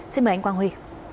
xin mời anh quang huy